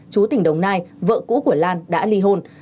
chú tỉnh đồng nai vợ cũ của lan đã ly hôn